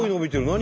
何？